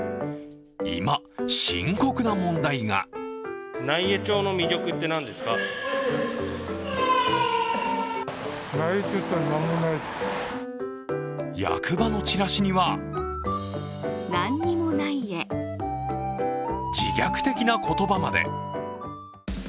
今、深刻な問題が役場のチラシには自虐的な言葉まで。